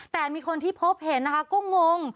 แต่มีคนที่พบเห็นนะคะก็งง